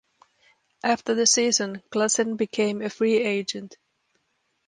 After the season, Klassen became a free agent.